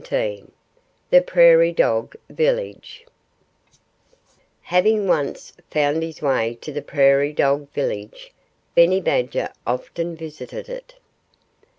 XVII THE PRAIRIE DOG VILLAGE Having once found his way to the prairie dog village, Benny Badger often visited it.